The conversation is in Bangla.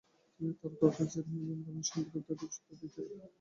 তিনি তাঁর কাকা জেরেমি বেনথাম এর সম্পত্তি উত্তরাধিকার সূত্রে পেয়েছিলেন।